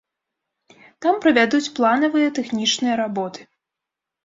Там правядуць планавыя тэхнічныя работы.